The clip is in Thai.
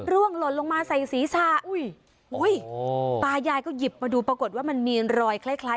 หล่นลงมาใส่ศีรษะอุ้ยตายายก็หยิบมาดูปรากฏว่ามันมีรอยคล้ายคล้าย